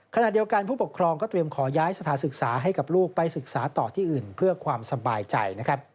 ขณะเดียวกันผู้ปกครองก็เตรียมขอย้ายสถานศึกษาให้กับลูกไปศึกษาต่อที่อื่นเพื่อความสบายใจ